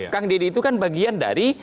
kang deddy itu kan bagian dari